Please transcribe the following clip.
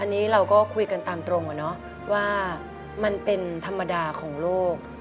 อันนี้เราก็คุยกันตามตรงว่ามันเป็นธรรมดาของโลก